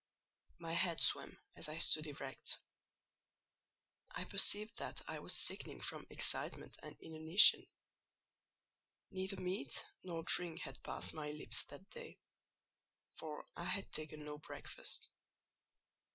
My head swam as I stood erect. I perceived that I was sickening from excitement and inanition; neither meat nor drink had passed my lips that day, for I had taken no breakfast.